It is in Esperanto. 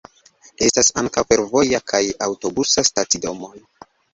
Estas ankaŭ fervoja kaj aŭtobusa stacidomoj.